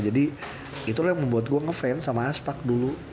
jadi itu yang membuat gue ngefans sama aspak dulu